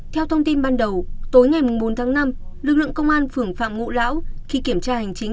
theo thông tin ban đầu tối ngày bốn tháng năm lực lượng công an phường phạm ngũ lão khi kiểm tra hành chính